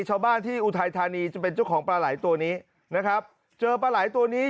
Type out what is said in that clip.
ชาวบ้านที่อุทัยธานีจะเป็นเจ้าของปลาไหล่ตัวนี้นะครับเจอปลาไหล่ตัวนี้